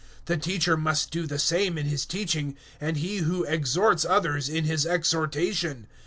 012:008 The teacher must do the same in his teaching; and he who exhorts others, in his exhortation.